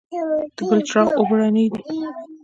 د بلچراغ اوبه رڼې دي